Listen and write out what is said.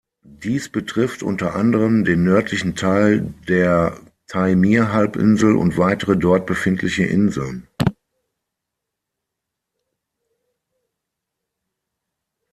Dies betrifft unter anderen den nördlichen Teil der Taimyrhalbinsel und weitere dort befindliche Inseln.